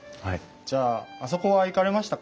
じゃああそこは行かれましたか？